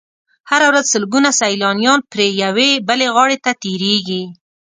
هره ورځ سلګونه سیلانیان پرې یوې بلې غاړې ته تېرېږي.